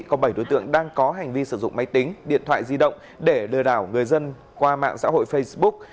có bảy đối tượng đang có hành vi sử dụng máy tính điện thoại di động để lừa đảo người dân qua mạng xã hội facebook